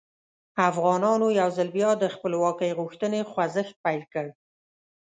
افغانانو یو ځل بیا د خپلواکۍ غوښتنې خوځښت پیل کړ.